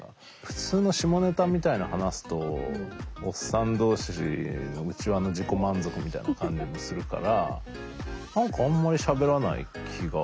普通の下ネタみたいに話すとおっさん同士の内輪の自己満足みたいな感じもするから何かあんまりしゃべらない気が。